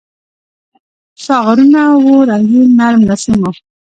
ساغرونه وو رنګین ، نرم نسیم و